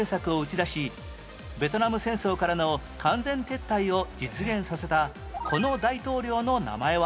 ベトナム戦争からの完全撤退を実現させたこの大統領の名前は？